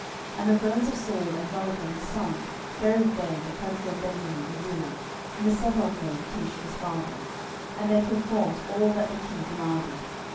10:021:014 And the bones of Saul and Jonathan his son buried they in the country of Benjamin in Zelah, in the sepulchre of Kish his father: and they performed all that the king commanded.